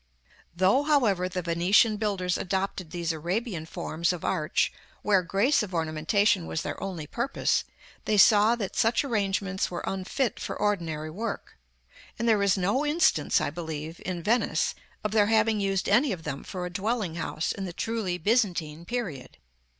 Though, however, the Venetian builders adopted these Arabian forms of arch where grace of ornamentation was their only purpose, they saw that such arrangements were unfit for ordinary work; and there is no instance, I believe, in Venice, of their having used any of them for a dwelling house in the truly Byzantine period.